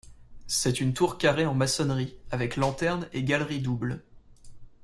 C'est une tour carrée en maçonnerie, avec lanterne et galerie double.